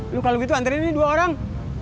lu kalau gitu anterin nih dua orang